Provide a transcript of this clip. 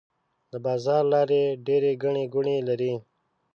د بازار لارې ډيرې ګڼې ګوڼې لري.